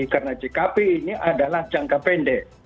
karena jkp ini adalah jangka pendek